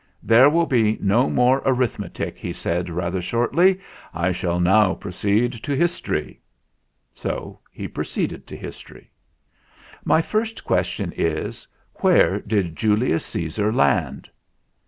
"There will be no more arithmetic," he said rather shortly. "I shall now proceed to his tory." So he proceeded to history. "My first question is, where did Julius Caesar land?"